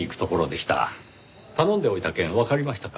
頼んでおいた件わかりましたか？